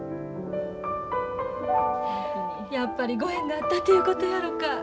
やっぱりご縁があったということやろか。